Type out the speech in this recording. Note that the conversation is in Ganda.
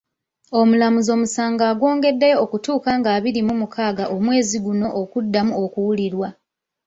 Omulamuzi omusango agwongeddeyo okutuuka nga abiri mu mukaaga omwezi guno okuddamu okuwulirwa.